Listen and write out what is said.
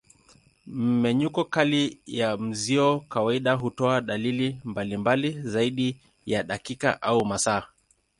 Mmenyuko kali ya mzio kawaida hutoa dalili mbalimbali zaidi ya dakika au masaa.